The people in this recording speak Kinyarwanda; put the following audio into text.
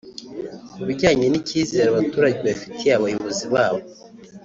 Ku bijyanye n’icyizere abaturage bafitiye abayobozi babo